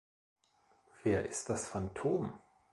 Wer ist das Phantom?